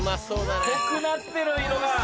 濃くなってる色が！